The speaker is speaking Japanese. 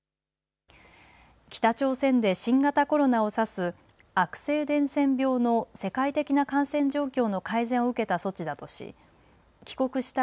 北朝鮮で新型コロナを指す悪性伝染病の世界的な感染状況の改善を受けた措置だとし帰国した